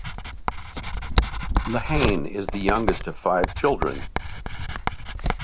Lehane is the youngest of five children.